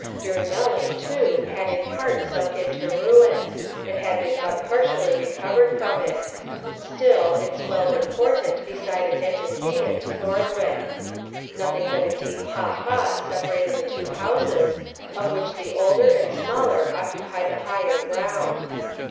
Durnmelling, too, had in part sunk into ruin, and had been but partially recovered from it; still, it swelled important beside its antecedent Thornwick. Nothing but a deep ha ha separated the two houses, of which the older and smaller occupied the higher ground.